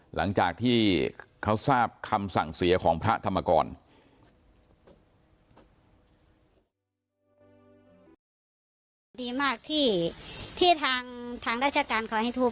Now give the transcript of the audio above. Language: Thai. หลังจากที่เขาทราบคำสั่งเสียของพระธรรมกร